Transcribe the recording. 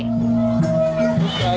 pemimpin duduk di tengah laut